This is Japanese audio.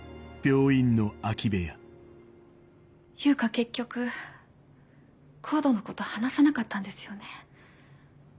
悠香結局ＣＯＤＥのこと話さなかったんですよね。